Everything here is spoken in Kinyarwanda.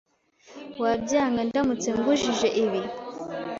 Wabyanga ndamutse ngujije ibi?